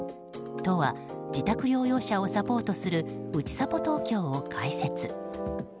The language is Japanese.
都は自宅療養者をサポートするうちさぽ東京を開設。